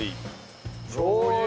しょう油。